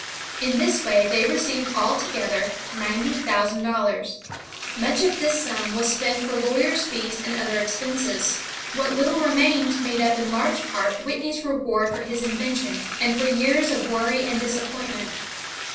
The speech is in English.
In this way they received altogether ninety thousand dollars. Much of this sum was spent for lawyers' fees and other expenses. What little remained made up in large part Whitney's reward for his invention, and for years of worry and disappointment.